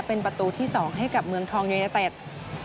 เป็นประตูที่๒ให้กับเมืองทองยูเนเต็ด